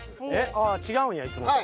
ああ違うんやいつもと。